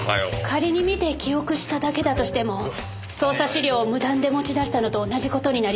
仮に見て記憶しただけだとしても捜査資料を無断で持ち出したのと同じ事になります。